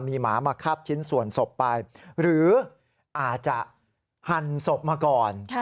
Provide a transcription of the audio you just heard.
มีหมามาคาบชิ้นส่วนศพไปหรืออาจจะหั่นศพมาก่อน